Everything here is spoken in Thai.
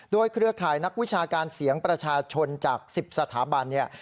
โดยเครือข่ายนักวิชาการเสียงประชาชนจาก๑๐สถาบันเนี่ย